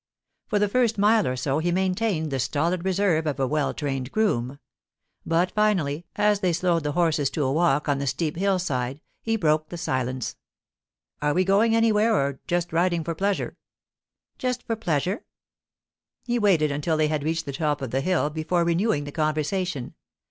For the first mile or so he maintained the stolid reserve of a well trained groom. But finally, as they slowed the horses to a walk on a steep hill side, he broke the silence. 'Are we going anywhere, or just riding for pleasure?' 'Just for pleasure.' He waited until they had reached the top of the hill before renewing the conversation.